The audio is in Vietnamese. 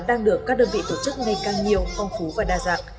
đang được các đơn vị tổ chức ngày càng nhiều phong phú và đa dạng